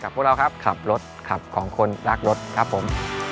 พวกเราครับขับรถขับของคนรักรถครับผม